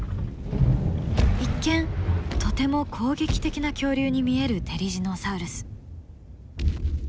一見とても攻撃的な恐竜に見えるテリジノサウルス。